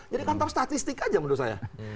jadi kantor statistik aja menurut saya